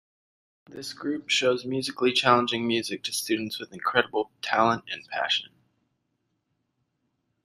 This group shows musically challenging music to students with incredible talent and passion.